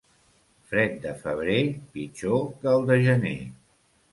Fred de febrer, pitjor que el de gener.